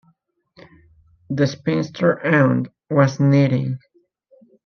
The spinster aunt was knitting.